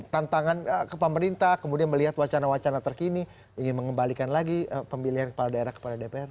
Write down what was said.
tantangan ke pemerintah kemudian melihat wacana wacana terkini ingin mengembalikan lagi pemilihan kepala daerah kepada dpr